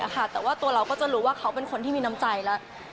แต่ว่าตัวเราก็จะรู้ว่าเขาเป็นคนที่มีน้ำใจแล้ว